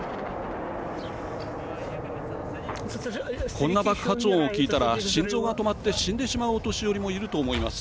こんな爆発音を聞いたら心臓が止まって死んでしまうお年寄りもいると思います。